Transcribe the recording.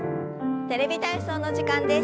「テレビ体操」の時間です。